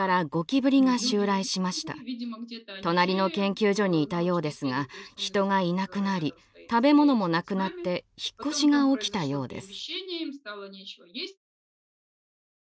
隣の研究所にいたようですが人がいなくなり食べ物もなくなって引っ越しが起きたようです。